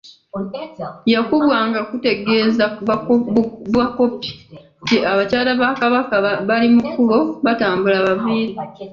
Yakubwanga kutegeeza bakopi nti abakyala ba Kabaka bali mu kkubo batambula babaviire.